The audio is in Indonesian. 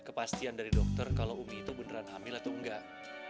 kepastian dari dokter kalau umi itu beneran hamil atau enggak